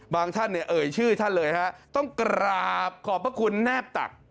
ท่านเนี่ยเอ่ยชื่อท่านเลยฮะต้องกราบขอบพระคุณแนบตัก